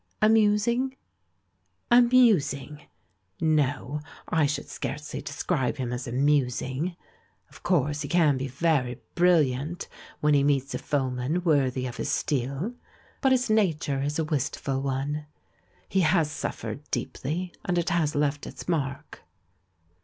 Amusing?'* "Amusing? No, I should scarcely describe him as 'amusing.' Of course he can be very bril liant when he meets a foeman worthy of his steel, but his nature is a wistful one. He has suffered deeply, and it has left its mark."